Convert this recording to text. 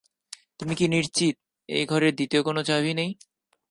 তুমি কি নিশ্চিত যে এই ঘরের দ্বিতীয় কোনো চাবি নেই?